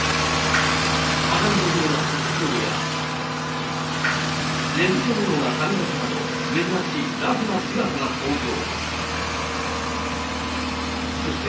肌着のような服装や、寝癖のような髪形など、珍しいラフな姿が登場。